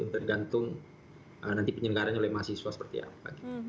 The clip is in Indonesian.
tergantung nanti penyelenggaran oleh mahasiswa seperti apa